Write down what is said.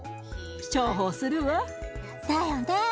重宝するわ。だよね。